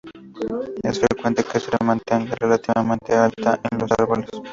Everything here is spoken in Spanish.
Es frecuente que se mantenga relativamente alta en los árboles.